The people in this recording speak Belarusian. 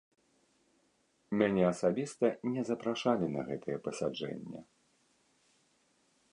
Мяне асабіста не запрашалі на гэтае пасяджэнне.